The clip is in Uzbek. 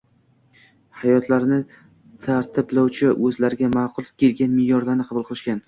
hayotlarini tartiblovchi, o‘zlariga ma’qul kelgan me’yorlarni qabul qilishgan.